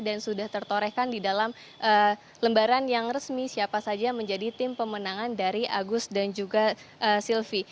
dan sudah tertorehkan di dalam lembaran yang resmi siapa saja menjadi tim pemenangan dari agus dan juga silvi